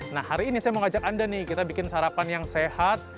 nah hari ini saya mau ngajak anda nih kita bikin sarapan yang sehat